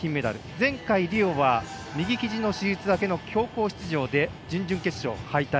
前回、リオは右ひじの手術明けの強行出場で準々決勝敗退。